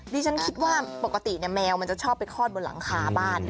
ดิฉันคิดว่าปกติแมวมันจะชอบไปคลอดบนหลังคาบ้าน